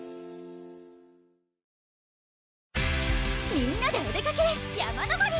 みんなでお出かけ山登り！